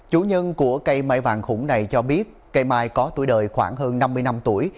chủ nhân của cây mai vàng khủng này cho biết cây mai có tuổi đời khoảng hơn năm mươi năm tuổi